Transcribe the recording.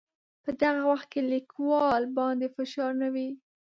په دغه وخت کې لیکوال باندې فشار نه وي.